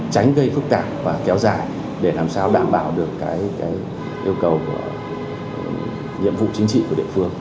tránh gây phức tạp và kéo dài để làm sao đảm bảo được yêu cầu của nhiệm vụ chính trị của địa phương